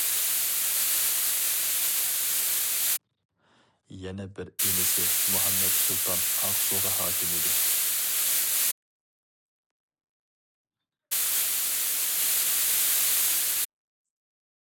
يەنە بىر ئىنىسى مۇھەممەت سۇلتان ئاقسۇغا ھاكىم ئىدى.